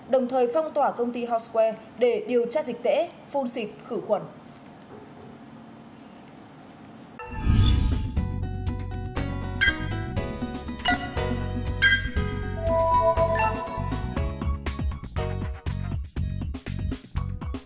đồng thời phong tỏa công ty houseware để điều trị các bệnh nhân phát hiện vào ngày một mươi năm tháng sáu